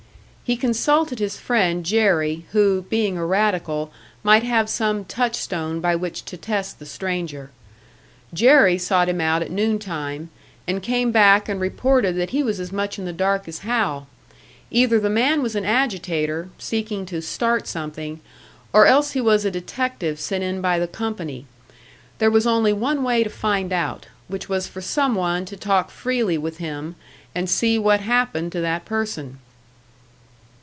He consulted his friend Jerry, who, being a radical, might have some touch stone by which to test the stranger. Jerry sought him out at noon time, and came back and reported that he was as much in the dark as Hal. Either the man was an agitator, seeking to "start something," or else he was a detective sent in by the company. There was only one way to find out which was for some one to talk freely with him, and see what happened to that person!